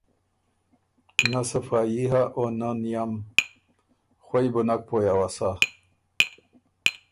نۀ صفايي هۀ او نۀ نئم۔ خوئ بو نک پویۡ اؤسا